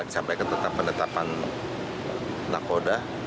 sampai ketetapan ketetapan nakoda